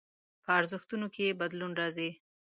په ارزښتونو کې يې بدلون راځي.